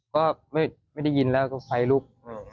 ก็ไม่ได้ยินแล้วก็ไฟลุก